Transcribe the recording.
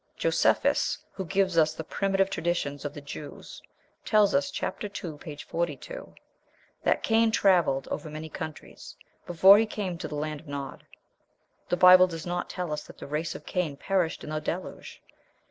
Josephus, who gives us the primitive traditions of the Jews, tells us (chap. ii., p. 42) that "Cain travelled over many countries" before he came to the land of Nod. The Bible does not tell us that the race of Cain perished in the Deluge.